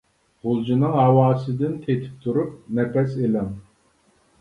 غۇلجىنىڭ ھاۋاسىدىن تېتىپ تۇرۇپ نەپەس ئېلىڭ.